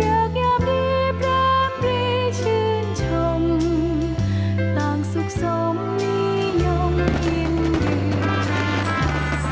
รักยามที่พระมรีชื่นชมต่างสุขสมมียงกินดื่ม